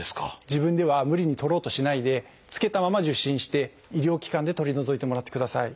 自分では無理に取ろうとしないで付けたまま受診して医療機関で取り除いてもらってください。